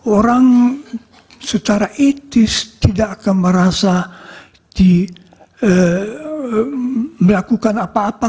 orang secara etis tidak akan merasa melakukan apa apa